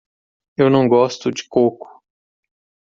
Eu não gosto de coco.